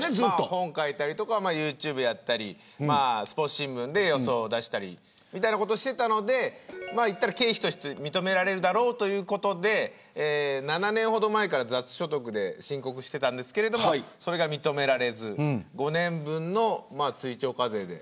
本書いたりとかユーチューブやったりスポーツ新聞で予想を出したりみたいなことしていたのでいったら経費として認められるだろうということで７年ほど前から雑所得で申告していたんですけれどそれが認められず５年分の追徴課税で。